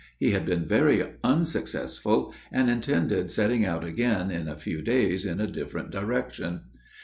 He had been very unsuccessful, and intended setting out again, in a few days, in a different direction.